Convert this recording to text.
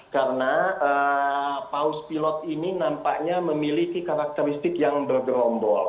karena paus pilot ini nampaknya memiliki karakteristik yang bergerombol